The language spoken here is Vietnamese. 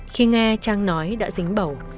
khi nghe trang nói đã dính bầu